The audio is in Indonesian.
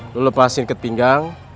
lo lepasin ke pinggang